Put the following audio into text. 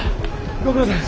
ご苦労さん。